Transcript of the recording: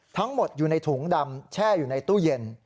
ทั้งหมดอยู่ในถุงดำแช่อยู่ในตู้เย็น